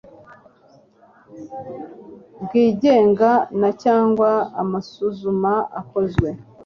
bwigenga na cyangwa amasuzuma akozwe